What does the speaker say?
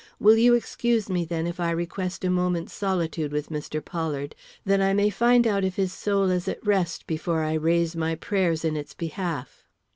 Will you excuse me, then, if I request a moment's solitude with Mr. Pollard, that I may find out if his soul is at rest before I raise my prayers in its behalf?"